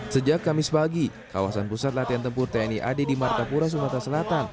sejak kamis pagi kawasan pusat latihan tempur tni ad di martapura sumatera selatan